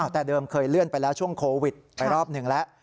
แต่เดิมเคยเลื่อนไปแล้วช่วงโควิดไปรอบหนึ่งแล้ว